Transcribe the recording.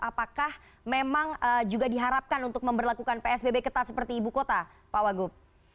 apakah memang juga diharapkan untuk memperlakukan psbb ketat seperti ibu kota pak wagub